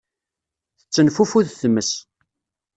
Tettenfufud tmes.